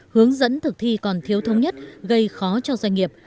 hướng dẫn thực thi còn thiếu thống nhất gây khó cho doanh nghiệp